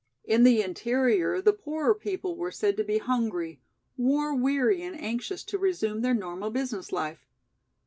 In the interior the poorer people were said to be hungry, war weary and anxious to resume their normal business life.